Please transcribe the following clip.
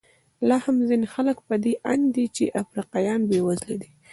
لا هم ځینې خلک په دې اند دي چې افریقایان بېوزله دي.